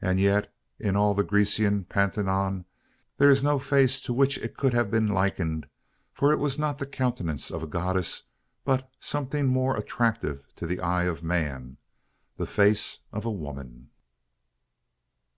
And yet in all the Grecian Pantheon there is no face to which it could have been likened: for it was not the countenance of a goddess; but, something more attractive to the eye of man, the face of a woman.